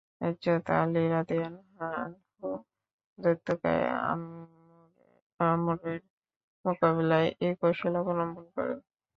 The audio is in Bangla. হযরত আলী রাযিয়াল্লাহু আনহু দৈত্যকায় আমরের মোকাবিলায় এ কৌশল অবলম্বন করেন।